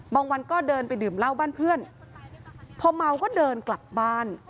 บางวันก็เดินไปดื่มเหล้าบ้านเพื่อนพอเมาก็เดินกลับบ้าน